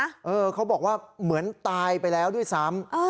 เออเขาบอกว่าเหมือนตายไปแล้วด้วยซ้ำ